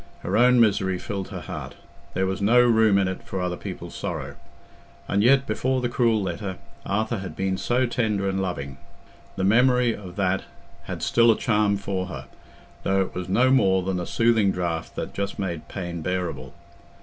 Her own misery filled her heart—there was no room in it for other people's sorrow. And yet, before the cruel letter, Arthur had been so tender and loving. The memory of that had still a charm for her, though it was no more than a soothing draught that just made pain bearable.